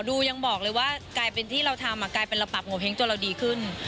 ดูยังบอกเลยว่ากลายเป็นที่เราทำกลายเป็นเราปรับโงเห้งจนเราดีขึ้น